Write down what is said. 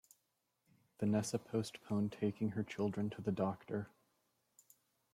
Vanessa postponed taking her children to the doctor.